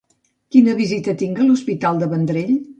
Quina visita tinc a l'Hospital de Vendrell?